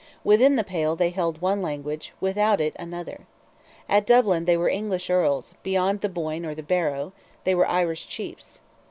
Within the Pale they held one language, without it another. At Dublin they were English Earls, beyond the Boyne or the Barrow, they were Irish chiefs.